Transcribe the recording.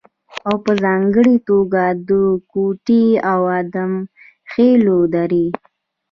او په ځانګړې توګه د کوټې او ادم خېلو درې